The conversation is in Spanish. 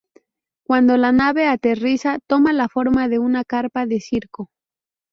Cuando la nave aterriza toma la forma de una carpa de circo.